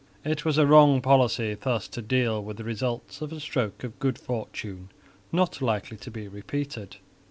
It was a wrong policy thus to deal with the results of a stroke of good fortune not likely to be repeated.